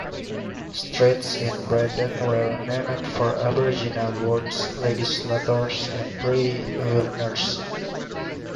Streets in Braddon were named for Aboriginal words, legislators and pioneers.